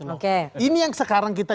oke ini yang sekarang kita